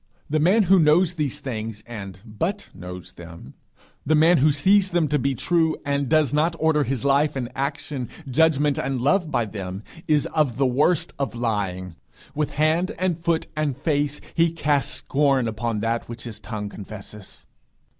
The man who knows these things, and but knows them; the man who sees them to be true, and does not order life and action, judgment and love by them, is of the worst of lying; with hand, and foot, and face he casts scorn upon that which his tongue confesses.